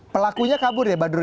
pelakunya kabur ya badro